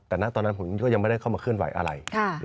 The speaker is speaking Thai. แต่ตอนนั้นผมก็ยังไม่ได้เข้ามาเคลื่อนไหวอะไร